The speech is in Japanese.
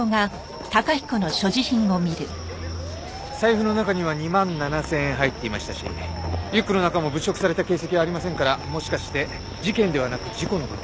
財布の中には２万７０００円入っていましたしリュックの中も物色された形跡はありませんからもしかして事件ではなく事故の可能性も。